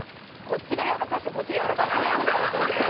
こっちがやらかしてこっちがやらかしてないみたいになってるけど。